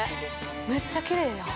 めっちゃきれいやん。